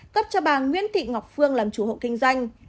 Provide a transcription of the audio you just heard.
cấp cho bà nguyễn thị ngọc phương làm chủ hộ kinh doanh